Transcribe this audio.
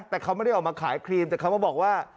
แต่เขาไม่ได้ออกมาขายครีมแต่เขามาบอกว่า